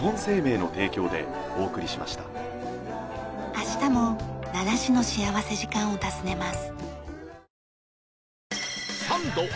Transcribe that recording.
明日も奈良市の幸福時間を訪ねます。